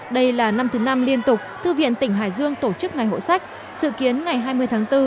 đây là năm thứ năm liên tục thư viện tỉnh hải dương tổ chức ngày hộ sách dự kiến ngày hai mươi tháng bốn